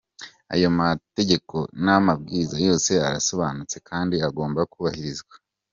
Ayo mategeko n’amabwiriza yose arasobanutse kandi agomba kubahirizwa.